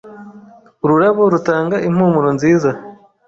Ururabo rutanga impumuro nziza.